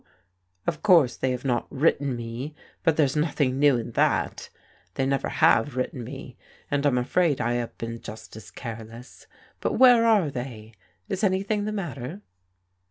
Of course they have not written me : but there's nothing new in that. They never have written me, and I'm afraid I have been just as careless. But where are they? Is anything the matter?